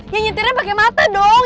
ya nyetirnya pake mata dong